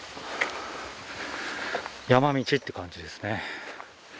山道っていう感じですね。